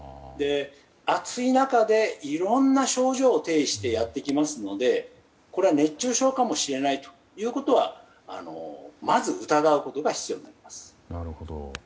暑い中でいろんな症状を呈してやってきますのでこれは熱中症かもしれないということはまず疑うことが必要になります。